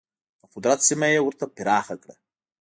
د قدرت سیمه یې ورته پراخه کړه.